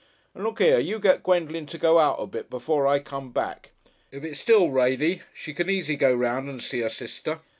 And look 'ere! you get Gwendolen to go out a bit before I come back. If it's still rainy, she can easy go 'round and see 'er sister.